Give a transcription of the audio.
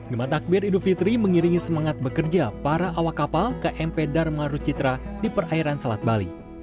gema takbir idul fitri mengiringi semangat bekerja para awak kapal kmp dharma rucitra di perairan selat bali